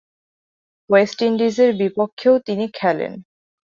West ইন্ডিজের বিপক্ষেও তিনি খেলেন।